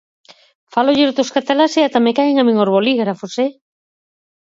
Fálolles dos cataláns e ata me caen a min os bolígrafos, ¡eh!